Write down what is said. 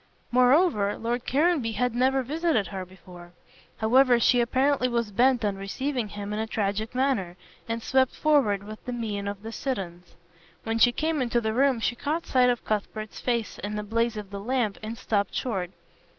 Moreover, Lord Caranby had never visited her before. However, she apparently was bent on receiving him in a tragic manner, and swept forward with the mien of a Siddons. When she came into the room she caught sight of Cuthbert's face in the blaze of the lamp and stopped short.